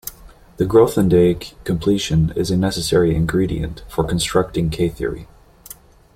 The Grothendieck completion is a necessary ingredient for constructing K-theory.